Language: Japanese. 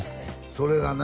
それがな